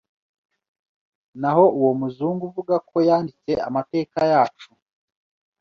Naho uwo muzungu uvuga ko yanditse amateka yacu,